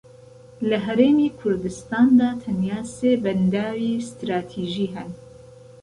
لە هەرێمی کوردستاندا تەنیا سێ بەنداوی ستراتیژی هەن